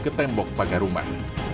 ke tembok pagar rumah